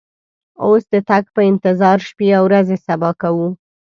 اوس د تګ په انتظار شپې او ورځې صبا کوو.